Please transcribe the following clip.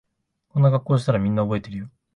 こんな格好してたらみんな覚えてるよ